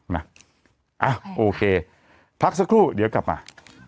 มาโอเคพักสักครู่เดี๋ยวกลับมา